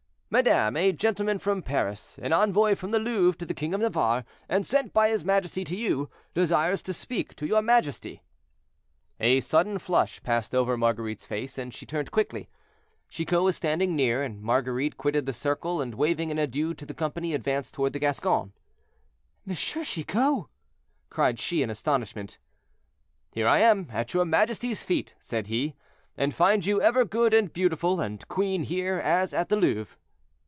"Madame, a gentleman from Paris, an envoy from the Louvre to the king of Navarre, and sent by his majesty to you, desires to speak to your majesty." A sudden flush passed over Marguerite's face, and she turned quickly. Chicot was standing near; Marguerite quitted the circle, and waving an adieu to the company, advanced toward the Gascon. "M. Chicot!" cried she in astonishment. "Here I am at your majesty's feet," said he, "and find you ever good and beautiful, and queen here, as at the Louvre."